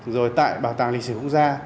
rồi tại bảo tàng lịch sử quốc gia